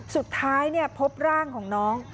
สุดท้ายพบร่างของน้อง